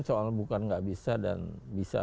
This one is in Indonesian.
soal bukan nggak bisa dan bisa